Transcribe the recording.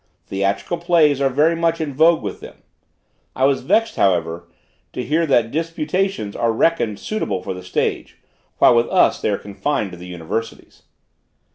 Theatrical plays are very much in vogue with them. I was vexed, however, to hear that disputations are reckoned suitable for the stage, while with us they are confined to the universities.